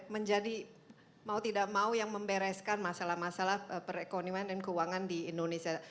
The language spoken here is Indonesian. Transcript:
menjadi mau tidak mau yang membereskan masalah masalah perekonomian dan keuangan di indonesia